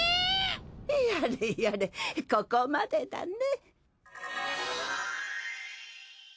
やれやれここまでだね。